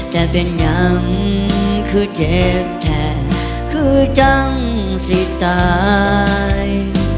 แต่เป็นยังคือเจ็บแท้คือจังสิตาย